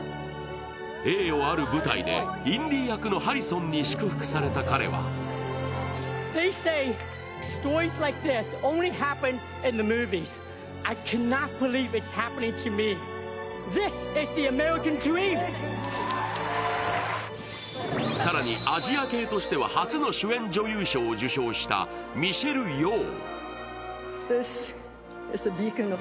栄誉ある舞台でインディ役のハリソンに祝福された彼は更に、アジア系としては初の主演女優賞を受賞したミシェル・ヨー。